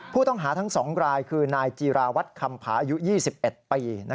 ผู้ต้องหาทั้ง๒รายคือนายจีราวัตรคำผาอายุ๒๑ปี